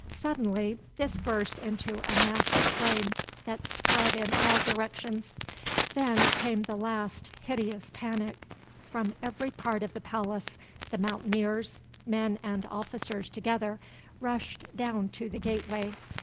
Suddenly this burst into a mass of flame that spread in all directions. Then came the last, hideous panic. From every part of the palace, the Mountaineers, men and officers together, rushed down to the gateway.